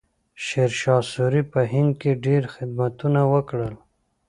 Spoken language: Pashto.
شیرشاه سوري په هند کې ډېر خدمتونه وکړل.